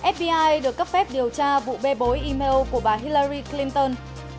fbi được cấp phép điều tra vụ bê bối email của bà hillary clinton